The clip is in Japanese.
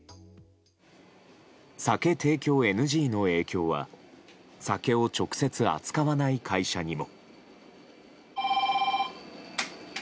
酒提供ＮＧの影響は酒を直接扱わない会社にも。